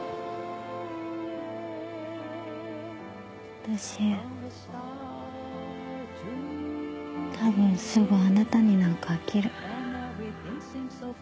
私たぶんすぐあなたになんか飽きる。